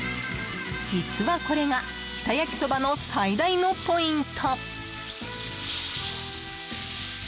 実は、これが日田焼きそばの最大のポイント。